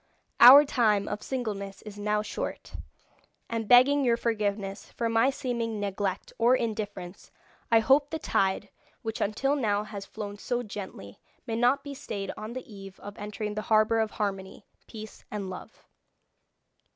Our time of singleness is now short, and begging your forgiveness for my seeming neglect or indifference, I hope the tide, which until now has flown so gently, may not be stayed on the eve of entering the harbour of harmony, peace, and love."